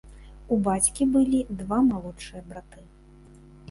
У бацькі былі два малодшыя браты.